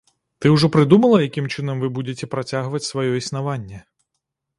Ты ўжо прыдумала, якім чынам вы будзеце працягваць сваё існаванне?